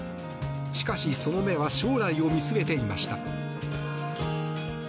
しかし、その目は将来を見据えていました。